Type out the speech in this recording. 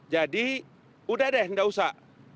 jadi udah deh nggak usah